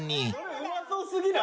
うまそう過ぎない？